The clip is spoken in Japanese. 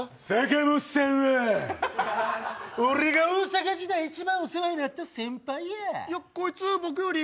大阪時代、一番お世話になった先輩や。